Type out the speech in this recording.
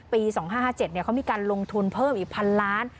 ปี๒๕๕๗เขามีการลงทุนเพิ่มอีก๑๐๐ล้าน